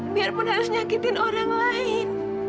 biarpun harus nyakitin orang lain